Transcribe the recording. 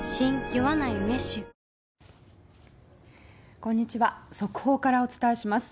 こんにちは速報からお伝えします。